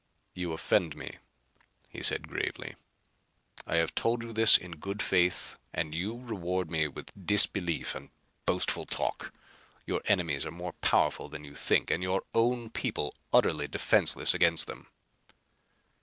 "You offend me," he said gravely. "I have told you this in good faith and you reward me with disbelief and boastful talk. Your enemies are more powerful than you think, and your own people utterly defenceless against them."